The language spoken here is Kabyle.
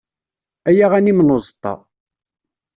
Ay aɣanim n uẓeṭṭa.